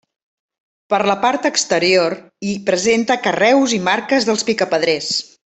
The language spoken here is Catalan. Per la part exterior hi presenta carreus i marques dels picapedrers.